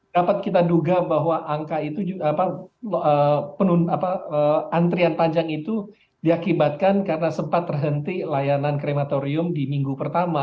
dapat kita duga bahwa angka itu antrian panjang itu diakibatkan karena sempat terhenti layanan krematorium di minggu pertama